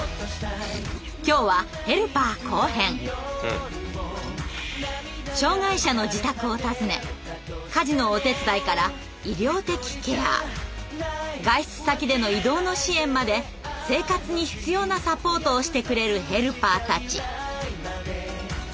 今日は障害者の自宅を訪ね家事のお手伝いから医療的ケア外出先での移動の支援まで生活に必要なサポートをしてくれるヘルパーたち。